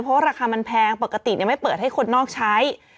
เพราะว่าราคามันแพงปกติไม่เปิดให้คนนอกใช้